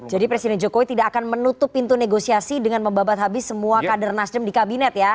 jadi presiden jokowi tidak akan menutup pintu negosiasi dengan membabat habis semua kader nasdem di kabinet ya